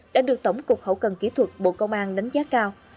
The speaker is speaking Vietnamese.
đã được tổng cục hậu cần kỹ thuật bộ công an đánh giá cao